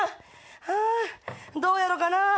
ハァどうやろかな？